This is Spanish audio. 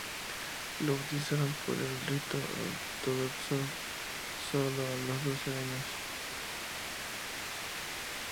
La bautizaron por el rito ortodoxo solo a los doce años.